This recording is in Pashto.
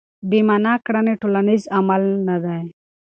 بې مانا کړنې ټولنیز عمل نه دی.